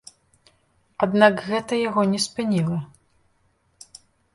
Аднак гэта яго не спыніла.